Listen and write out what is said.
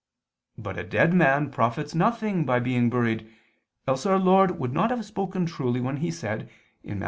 But a dead man profits nothing by being buried, else Our Lord would not have spoken truly when He said (Matt.